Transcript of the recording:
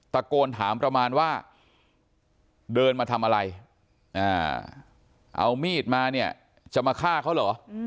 ตะโกนถามประมาณว่าเดินมาทำอะไรเอามีดมาเนี่ยจะมาฆ่าเขาเหรอ